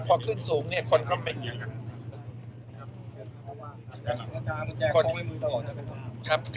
พอขึ้นสูงเนี่ยคนก็ไม่เห็นอ่ะครับ